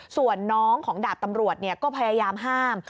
ส่วนน้องของดาบตำรวจก็พยายามห้าม